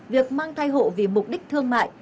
việc mang thai hộ vì mục đích thương mại